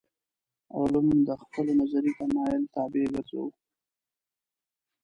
علوم د خپلو نظري تمایل طابع ګرځوو.